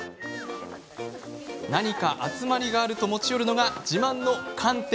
何か集まりがあると持ち寄るのが自慢の寒天。